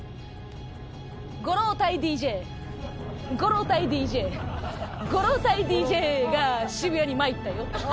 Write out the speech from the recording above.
「ご老体ＤＪご老体ＤＪ」「ご老体ＤＪが渋谷に参ったよ」